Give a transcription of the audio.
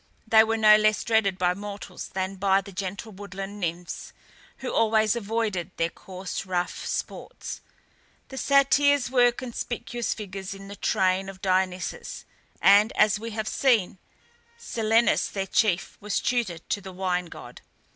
They were no less dreaded by mortals than by the gentle woodland nymphs, who always avoided their coarse rough sports. The Satyrs were conspicuous figures in the train of Dionysus, and, as we have seen, Silenus their chief was tutor to the wine god.